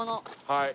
はい。